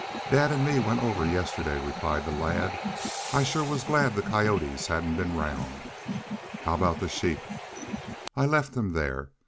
"Dad an' me went over yestiddy," replied the lad. "I shore was glad the coyotes hadn't been round." "How aboot the sheep?" "I left them there.